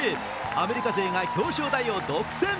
アメリカ勢が表彰台を独占。